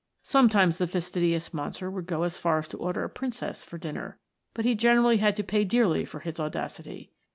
Sometimes the fastidious monster would go so far as to order a princess for dinner, but he gene rally had to pay dearly for his audacity.